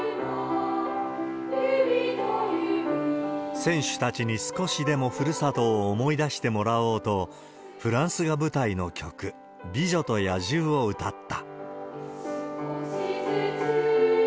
選手たちに少しでもふるさとを思い出してもらおうと、フランスが舞台の曲、美女と野獣を歌った。